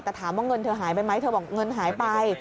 แต่ถามว่าเงินเธอหายไปไหมเธอบอกเงินหายไป